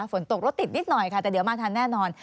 ฝนตกรถติดนิดหน่อยค่ะแต่เดี๋ยวมาทันแน่นอน